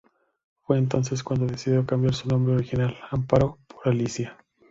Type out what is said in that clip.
Fue entonces cuando decidió cambiar su nombre original, Amparo, por Alicia.